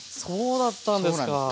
そうだったんですか。